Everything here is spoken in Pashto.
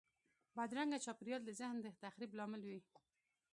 بدرنګه چاپېریال د ذهن د تخریب لامل وي